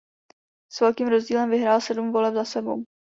S velkým rozdílem vyhrál sedm voleb za sebou.